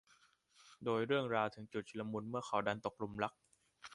โดยเรื่องราวถึงจุดชุลมุนเมื่อเขาดันตกหลุมรัก